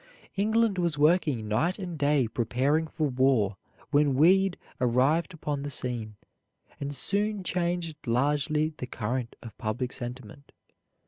England was working night and day preparing for war when Weed arrived upon the scene, and soon changed largely the current of public sentiment.